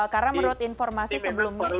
karena menurut informasi sebelumnya